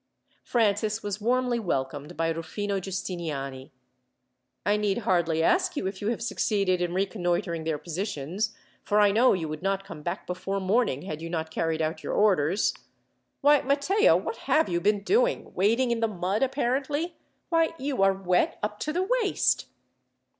Francis was warmly welcomed by Rufino Giustiniani. "I need hardly ask you if you have succeeded in reconnoitring their positions, for I know you would not come back before morning had you not carried out your orders. "Why, Matteo, what have you been doing wading in the mud, apparently? Why, you are wet up to the waist."